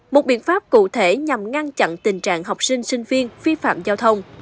một biện pháp cụ thể nhằm ngăn chặn tình trạng học sinh sinh viên vi phạm giao thông